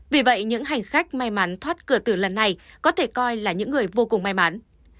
vì vậy những hành khách may mắn thoát cửa tử lần này có thể coi là những người vô cùng may mắn